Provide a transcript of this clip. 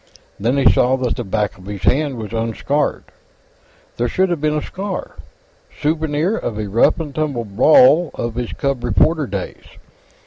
Then he saw that the back of his hand was unscarred. There should have been a scar, souvenir of a rough and tumble brawl of his cub reporter days.